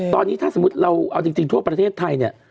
ตอนนี้ถ้าสมมุติเราเอาจริงทั่วประเทศไทยเนี่ย